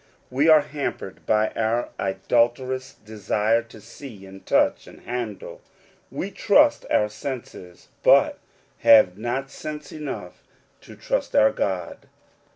we are hampered by our idolatrous desire to see, and touch, and handle : we trust our senses, but have not sense enough to trust our God.